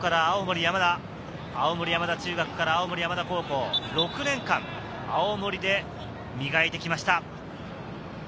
青森山田中学から青森山田高校６年間、青森で磨いてきました。